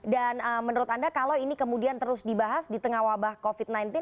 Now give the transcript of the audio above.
dan menurut anda kalau ini kemudian terus dibahas di tengah wabah covid sembilan belas